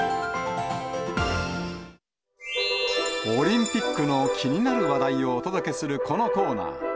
オリンピックの気になる話題をお届けするこのコーナー。